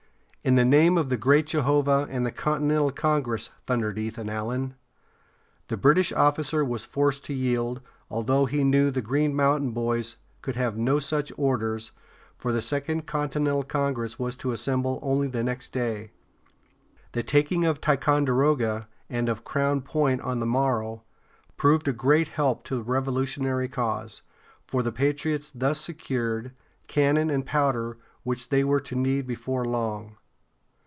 "In the name of the great Jehovah and the Continental Congress!" thundered Ethan Allen. The British officer was forced to yield, although he knew the Green Mountain Boys could have no such orders, for the Second Continental Congress was to assemble only the next day. The taking of Ticonderoga, and of Crown Point on the morrow, proved a great help to the Revolutionary cause, for the patriots thus secured, cannon and powder which they were to need before long.